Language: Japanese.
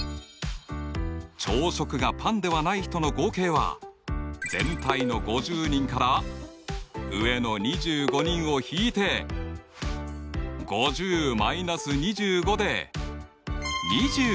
朝食がパンではない人の合計は全体の５０人から上の２５人を引いて５０−２５で２５人。